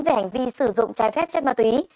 về hành vi sử dụng trái phép chất ma túy